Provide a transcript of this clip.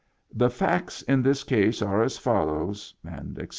The facts in this case are as follows," etc.